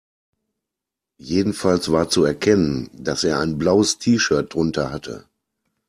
Jedenfalls war zu erkennen, dass er ein blaues T-Shirt drunter hatte.